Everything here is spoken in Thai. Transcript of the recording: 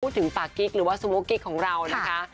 พูดถึงปลากิกหรือว่าสมุรกิกของเรานะคะ